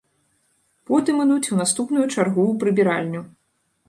Потым ідуць у наступную чаргу ў прыбіральню.